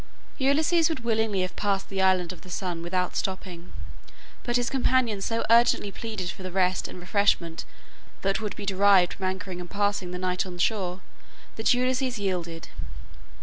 Ulysses would willingly have passed the island of the Sun without stopping, but his companions so urgently pleaded for the rest and refreshment that would be derived from anchoring and passing the night on shore, that Ulysses yielded.